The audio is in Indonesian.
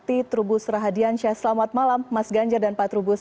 pak trubus rahadiansyah selamat malam mas ganjar dan pak trubus